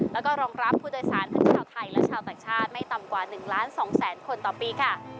และรองรับผู้โดยสารของชาวไทยและชาวต่างชาติไม่ต่ำกว่า๑๒๐๐๐๐๐คนต่อปี